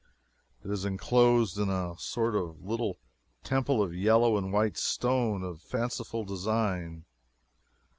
It is inclosed in a sort of little temple of yellow and white stone, of fanciful design.